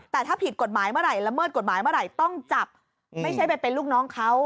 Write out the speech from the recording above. แต่ถ้าผิดกฎหมายเมื่อไหร่ละเมิดกฎหมายเมื่อไหร่ต้องจับไม่ใช่ไปเป็นลูกน้องเขา